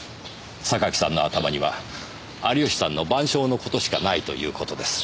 榊さんの頭には有吉さんの『晩鐘』のことしかないということです。